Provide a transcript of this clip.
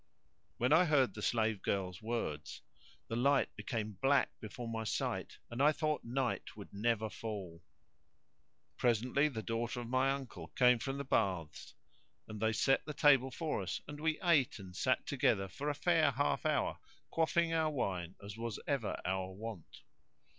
When I heard the slave girl's words, the light became black before my sight and I thought night would never fall. Presently the daughter of my uncle came from the baths; and they set the table for us and we ate and sat together a fair half hour quaffing our wine as was ever our wont.